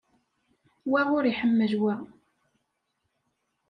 Wa ur iḥemmel wa.